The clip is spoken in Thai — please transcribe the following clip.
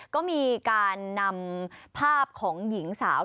ก็มีการนำภาพของหญิงสาว